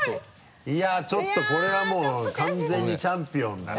いやっちょっとこれはもう完全にチャンピオンだな。